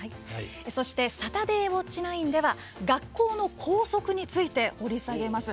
そして「サタデーウオッチ９」では学校の校則について掘り下げます。